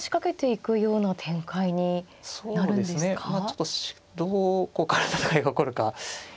ちょっとどこから戦いが起こるか。